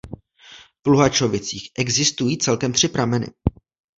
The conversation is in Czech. V Luhačovicích existují celkem tři prameny.